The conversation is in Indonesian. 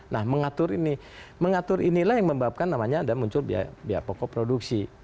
nah mengatur ini mengatur inilah yang menyebabkan namanya ada muncul biaya pokok produksi